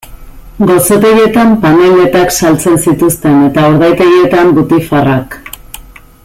Gozotegietan panelletak saltzen zituzten eta urdaitegietan butifarrak.